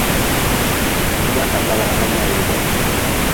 Biga ka bagi na ka nyea ridi.